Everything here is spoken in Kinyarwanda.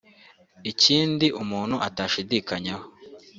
Ikindi umuntu atashidikanyaho